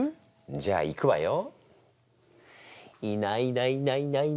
じゃあいくわよ。